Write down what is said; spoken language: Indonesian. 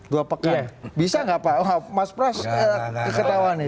dua pekan bisa nggak pak mas pras ketawa nih